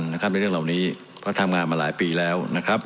ในเรื่องเหล่านี้เพราะทำงานมาหลายปีแล้วนะครับ